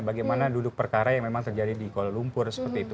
bagaimana duduk perkara yang memang terjadi di kuala lumpur